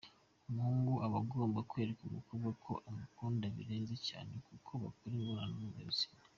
Umuhungu aba agomba kwereka umukobwa ko amukunda birenze cyane kuba bakora imibonano mpuzabitsina.